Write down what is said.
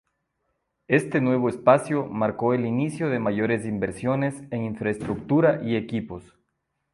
Este nuevo espacio, marcó el inicio de mayores inversiones en infraestructura y equipos.